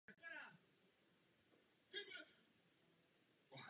První a zcela zásadní je průhlednost.